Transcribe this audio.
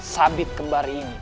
sabit kembar ini